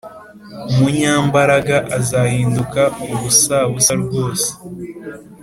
Umunyambaraga azahinduka ubusabusa rwose